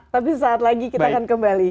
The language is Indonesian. tapi saat lagi kita akan kembali